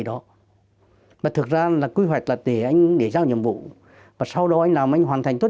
đây là cách làm mới phù hợp với tình hình thực tế